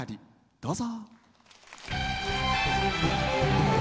どうぞ。